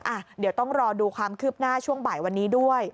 อ่ะเดี๋ยวต้องรอดูความคืบหน้าช่วงบ่ายวันนี้ด้วย